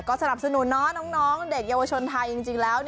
ก็สนับสนุนน้องเด็กเยาวชนไทยจริงแล้ว